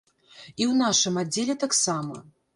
І ў нашым аддзеле таксама.